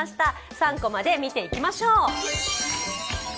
３コマで見ていきましょう。